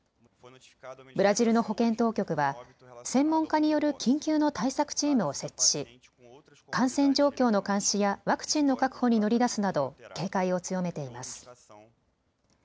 ブラジルの保健当局は専門家による緊急の対策チームを設置し、感染状況の監視やワクチンの確保に乗り出すなど警戒を強めています。